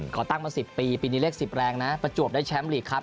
ตั้งมา๑๐ปีปีนี้เลข๑๐แรงนะประจวบได้แชมป์ลีกครับ